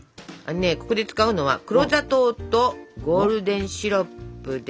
ここで使うのは黒砂糖とゴールデンシロップです。